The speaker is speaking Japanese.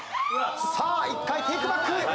さあ１回テイクバック！